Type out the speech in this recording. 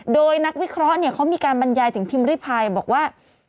โดยนักวิเคราะห์เขามีการบรรยายถึงพิมพ์ริพายบอกว่า